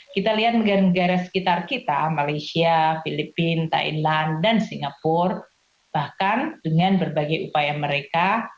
kita lihat negara negara sekitar kita malaysia filipina thailand dan singapura bahkan dengan berbagai upaya mereka